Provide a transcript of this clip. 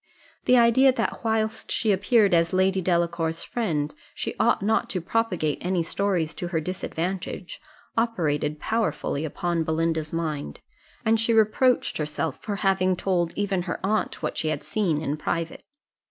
The idea that whilst she appeared as Lady Delacour's friend she ought not to propagate any stories to her disadvantage, operated powerfully upon Belinda's mind, and she reproached herself for having told even her aunt what she had seen in private.